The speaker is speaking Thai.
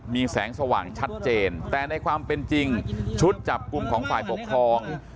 มีแสงสว่างชัดเจนแต่ในความเป็นจริงชุดจับกลุ่มของฝ่ายปกครอง